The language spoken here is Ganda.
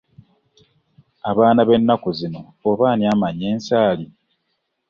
Abaana b'ennaku zino oba ani amanyi ensaali?